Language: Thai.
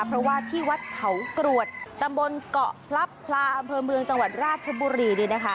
เพราะว่าที่วัดเขากรวดตำบลเกาะพลับพลาอำเภอเมืองจังหวัดราชบุรี